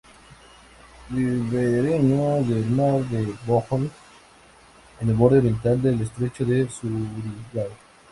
Ribereño del mar de Bohol en el borde oriental del estrecho de Surigao.